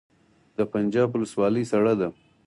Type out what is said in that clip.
د پنجاب ولسوالۍ سړه ده